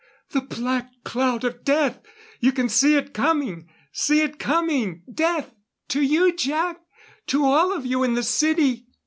The black cloud of death! You can see it coming! See it coming! Death! To you Jac! To all of you in the city!"